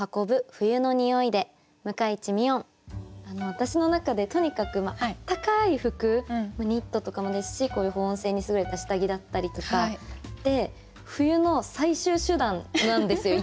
私の中でとにかくあったかい服ニットとかもですしこういう保温性に優れた下着だったりとかで冬の最終手段なんですよ